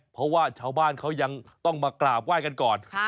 เพราะว่าชาวบ้านเขายังต้องมากราบไหว้กันก่อน